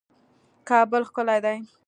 کابل ښکلی ده